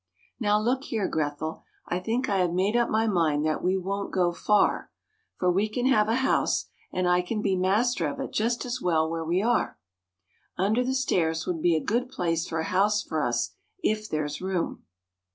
Now look here, Grethel, I think I have made up my mind that we won't go far; For we can have a house, and I can be master of it just as well where we are. Under the stairs would be a good place for a house for us if there's room.